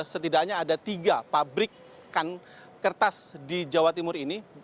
setidaknya ada tiga pabrik kertas di jawa timur ini